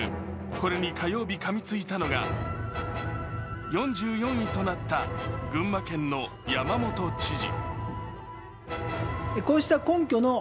これに火曜日かみついたのが、４４位となった群馬県の山本知事。